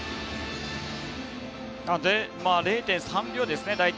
０．３秒ですね、大体。